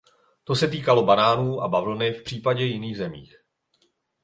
To se týkalo banánů a bavlny v případě jiných zemí.